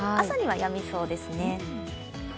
朝にはやみそうですね。